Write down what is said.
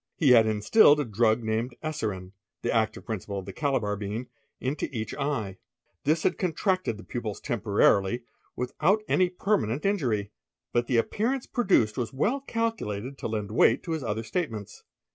He had instilled a dru, named eserine, the active principle of the Calabar bean, into each ey This had contracted the pupils temporarily, without any permane injury, but the appearance produced was well calculated to lend weig to his other statements."